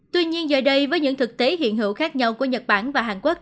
tuy nhiên giờ đây với những thực tế hiện hữu khác nhau của nhật bản và hàn quốc